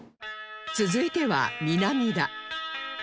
続いては南田